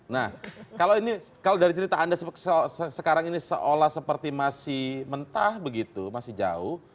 nah kalau dari cerita anda sekarang ini seolah seperti masih mentah begitu masih jauh